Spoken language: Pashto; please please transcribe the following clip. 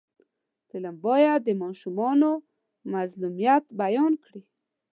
فلم باید د ماشومانو مظلومیت بیان کړي